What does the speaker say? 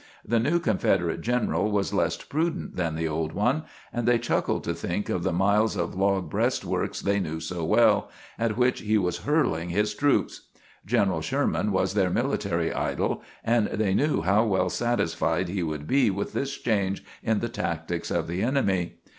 The new Confederate general was less prudent than the old one, and they chuckled to think of the miles of log breastworks they knew so well, at which he was hurling his troops. General Sherman was their military idol, and they knew how well satisfied he would be with this change in the tactics of the enemy.